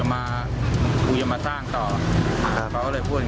มีประวัติศาสตร์ที่สุดในประวัติศาสตร์